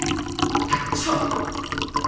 닥쳐!